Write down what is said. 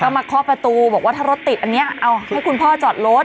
มาเคาะประตูบอกว่าถ้ารถติดอันนี้เอาให้คุณพ่อจอดรถ